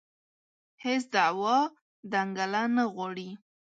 هېڅ دعوا دنګله نه غواړي